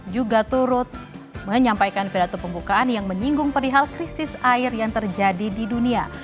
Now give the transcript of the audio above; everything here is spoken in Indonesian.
juga turut menyampaikan pidato pembukaan yang menyinggung perihal krisis air yang terjadi di dunia